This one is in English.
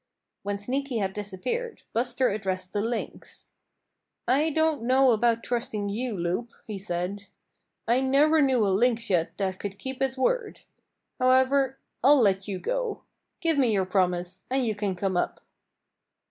When Sneaky had disappeared, Buster addressed the Lynx. "I don't know about trusting you Loup," he said. "I never knew a Lynx yet that could keep his word. However, I'll let you go. Give me your promise, and you can come up."